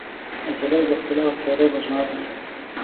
نجلۍ د ښکلا او هوښیارۍ مجموعه ده.